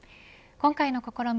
今回の試み